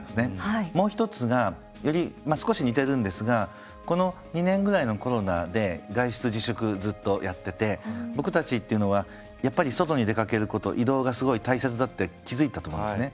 もう一つが少し似てるんですがこの２年ぐらいのコロナで外出自粛ずっとやってて僕たちっていうのはやっぱり外に出かけること移動がすごい大切だって気付いたと思うんですね。